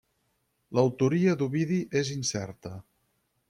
L'autoria d'Ovidi és incerta.